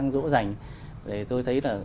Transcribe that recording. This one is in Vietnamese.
để tôi thấy là